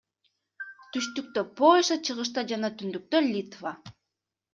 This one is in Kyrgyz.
Түштүктө — Польша, чыгышта жана түндүктө — Литва.